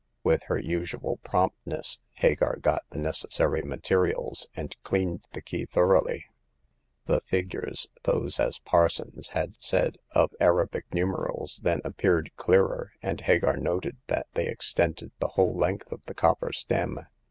With her usual promptness, Hagar got the necessary materials, and cleaned the key thoroughly. The figures — those, as Parsons had said, of Arabic numerals — then appeared clearer, and Hagar noted that they extended the whole length of the copper stem.